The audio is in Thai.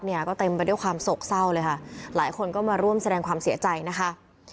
เนี่ยก็เต็มไปด้วยความโศกเศร้าเลยค่ะหลายคนก็มาร่วมแสดงความเสียใจนะคะ